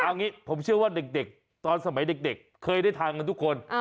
เอางี้ผมเชื่อว่าเด็กตอนสมัยเด็กเคยได้ทานกันทุกคน